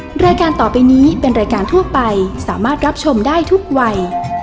รายการต่อไปนี้เป็นรายการทั่วไปสามารถรับชมได้ทุกวัย